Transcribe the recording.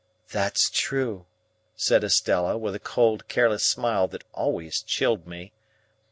"That's true," said Estella, with a cold careless smile that always chilled me.